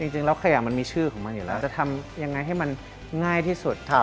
จริงแล้วขยะมันมีชื่อของมันอยู่แล้วจะทำยังไงให้มันง่ายที่สุด